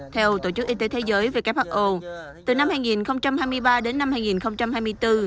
theo tổ chức y tế thế giới who từ năm hai nghìn hai mươi ba đến năm hai nghìn hai mươi bốn